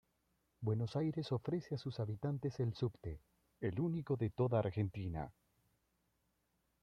Buenos Aires ofrece a sus habitantes el subte, el único de toda Argentina.